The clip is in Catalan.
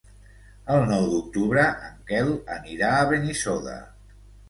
El nou d'octubre en Quel anirà a Benissoda.